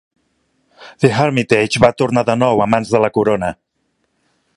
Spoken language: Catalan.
The Hermitage va tornar de nou a mans de la corona.